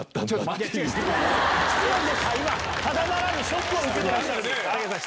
今ただならぬショックを受けてらっしゃるんですか！